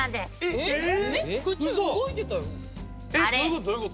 えっどういうこと？